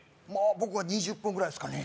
僕は２０分ぐらいですかね